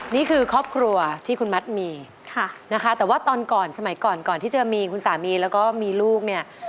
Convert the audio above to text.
นี่คือครอบครัวที่คุณมัดมีค่ะนะคะแต่ว่าตอนก่อนสมัยก่อนก่อนที่จะมีคุณสามีแล้วก็มีลูกเนี่ย